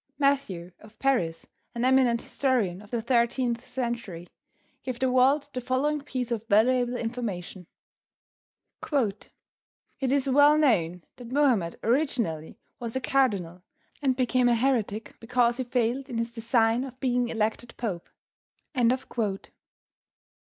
Matthew, of Paris, an eminent historian of the 13th century, gave the world the following piece of valuable information: "It is well known that Mohammed originally was a Cardinal and became a heretic because he failed in his design of being elected Pope."